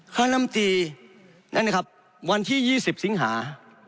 คณะลำตีนั่นนะครับวันที่๒๐สิงหา